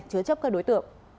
chứa chấp các đối tượng